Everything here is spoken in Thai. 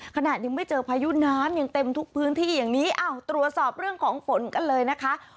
ขนาดยังไม่เจอพายุน้ำยังเต็มทุกพื้นที่อย่างนี้อ้าวตรวจสอบเรื่องของฝนกันเลยนะคะ